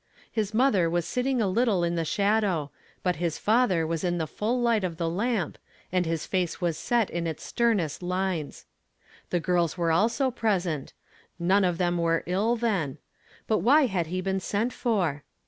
His mother was sitting a little in the shadow; but his father was in the fnll light of the lamp, and his fa(H. was set in its sternest Inies. The girls weic also present ; none of them ;vere ill, then; but why ha.l he been sent for?